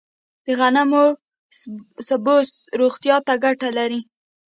د غنمو سبوس روغتیا ته ګټه لري.